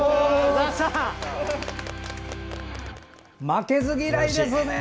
負けず嫌いですね。